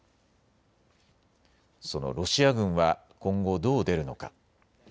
そのロシア軍は今後どう出るのか。